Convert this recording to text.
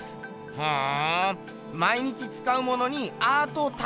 ふん。